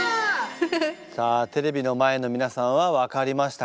さあテレビの前の皆さんは分かりましたか？